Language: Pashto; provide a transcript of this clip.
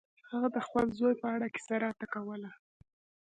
هغه د خپل زوی په اړه کیسه راته کوله.